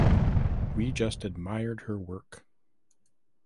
We just admired her work.